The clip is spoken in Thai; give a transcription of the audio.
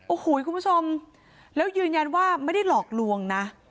โอ้โหคุณผู้ชมแล้วยืนยันว่าไม่ได้หลอกลวงนะ